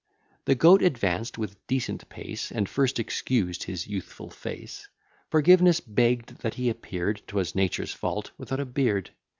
The Goat advanced with decent pace, And first excused his youthful face; Forgiveness begg'd that he appear'd ('Twas Nature's fault) without a beard.